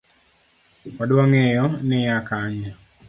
Odwa ng'eyo ni Iya kanye?